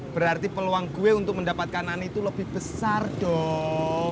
berarti peluang gue untuk mendapatkan ani itu lebih besar dong